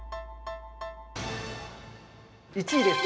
１位です！